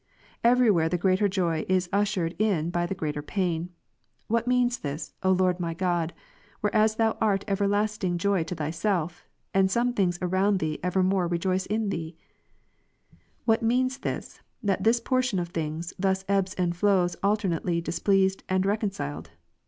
Every where the greater joy is ushered in by the greater pain. What means this, O Lord my God, whereas Thou art everlastingly joy to Thyself, and some things around Thee evermore rejoice in Thee '^? What means this, that this portion of things thus ebbs and flows alternately displeased and reconciled